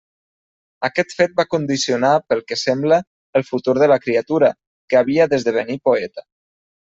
Aquest fet va condicionar, pel que sembla, el futur de la criatura, que havia d'esdevenir poeta.